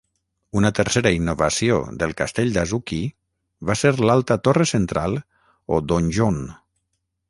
Una tercera innovació del castell d'Azuchi va ser l'alta torre central o "donjon".